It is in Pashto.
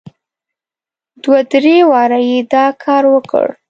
دوه درې واره یې دا کار وکړ.